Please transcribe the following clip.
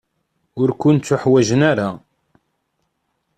Ur kent-ḥwajen ara.